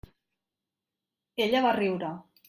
Ella va riure.